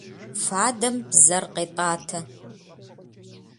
Фадэм бзэр къетӏатэ.